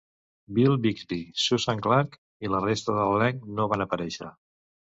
Bill Bixby, Susan Clark i la resta de l'elenc no van aparèixer.